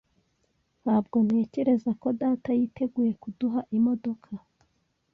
Ntabwo ntekereza ko data yiteguye kuduha imodoka.